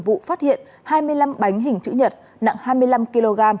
vụ phát hiện hai mươi năm bánh hình chữ nhật nặng hai mươi năm kg